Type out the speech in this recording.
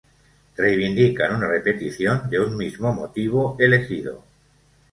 Reivindican una repetición de un mismo motivo elegido.